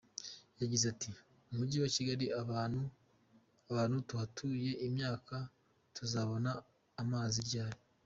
Yagize ati “Umujyi wa Kigali abantu tuhatuye imyaka, tuzabona amazi ryari?